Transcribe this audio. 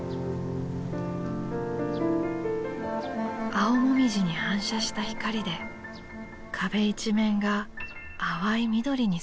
青もみじに反射した光で壁一面が淡い緑に染まった。